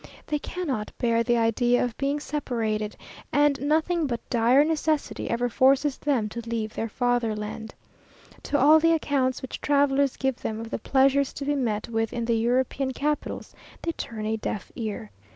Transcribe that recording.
They cannot bear the idea of being separated, and nothing but dire necessity ever forces them to leave their fatherland. To all the accounts which travellers give them of the pleasures to be met with in the European capitals, they turn a deaf ear.